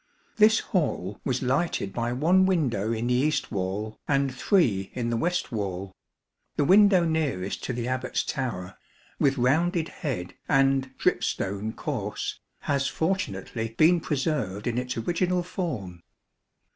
This hall was lighted by one window in the east wall and three in the west wall. The window nearest to the Abbat's tower, with rounded head and drip stone course, has fortunately been preserved in its original form.